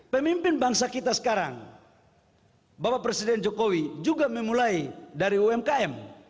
pemimpin bangsa kita sekarang bapak presiden jokowi juga memulai dari umkm